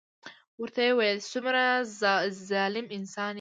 ورته يې وويل څومره ظلم انسان يې.